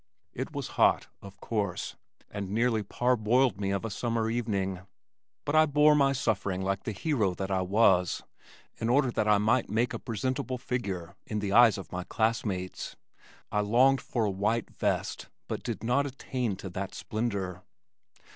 It was hot, of course, and nearly parboiled me of a summer evening, but I bore my suffering like the hero that I was, in order that I might make a presentable figure in the eyes of my classmates. I longed for a white vest but did not attain to that splendor.